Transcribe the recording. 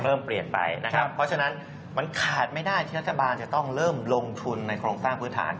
เปลี่ยนไปนะครับเพราะฉะนั้นมันขาดไม่ได้ที่รัฐบาลจะต้องเริ่มลงทุนในโครงสร้างพื้นฐาน